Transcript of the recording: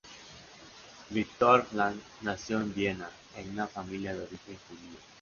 Viktor Frankl nació en Viena en una familia de origen judío.